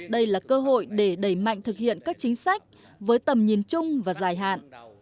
đây là cơ hội để đẩy mạnh thực hiện các chính sách với tầm nhìn chung và dài hạn